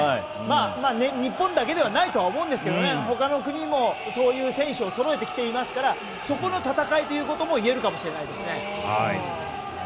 日本だけではないと思うんですけどほかの国もそういう選手をそろえてきていますからそこの戦いということも言えるかもしれないですね。